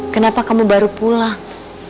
kenapa kamu baru pulang